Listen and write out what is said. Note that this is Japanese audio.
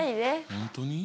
本当に？